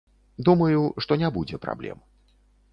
Думаю, што не будзе праблем.